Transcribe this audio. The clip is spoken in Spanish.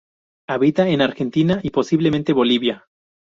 Habita en Argentina y posiblemente Bolivia.